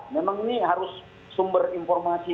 memang ini harus sumber informasi